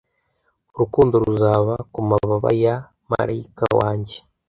urukundo ruzaba kumababa ya malayika wanjye !!